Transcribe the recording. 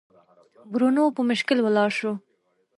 برونو په مشکل ولاړ شو.